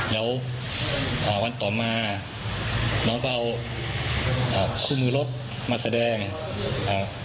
เดี๋ยวอ่าวันต่อมาน้องก็เอาอ่าคู่มือรถมาแสดงอ่า